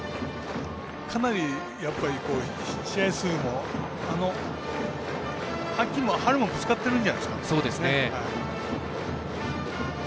かなり、試合数も秋も春もぶつかってるんじゃないですか。